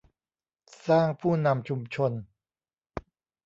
สร้างผู้นำชุมชน